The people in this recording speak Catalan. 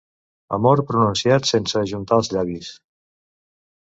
Amor pronunciat sense ajuntar els llavis.